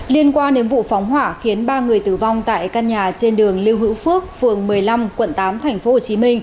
liên quan đến vụ phóng hỏa khiến ba người tử vong tại căn nhà trên đường lưu hữu phước phường một mươi năm quận tám tp hcm